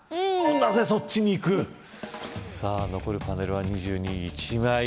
なぜそっちにいくさぁ残るパネルは２２１枚